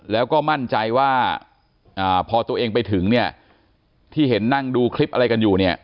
แล้วก็มั่นใจว่าพอตัวเองไปถึงเนี่ยที่เห็นนั่งดูคลิปอะไรกันอยู่เนี่ย